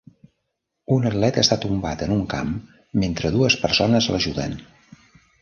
Un atleta està tombat en un camp mentre dues persones l'ajuden.